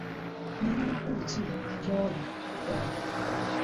Nnina makulu ki gy'oli ddala?